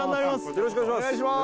よろしくお願いします